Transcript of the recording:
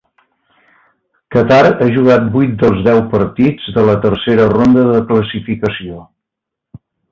Qatar ha jugat vuit dels deu partits de la tercera ronda de classificació.